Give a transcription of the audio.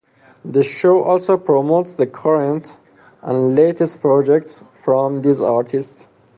The show also promotes the current and latest projects from these artists.